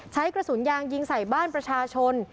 ใช้กระสุนยางยิงใส่บ้านประชาชน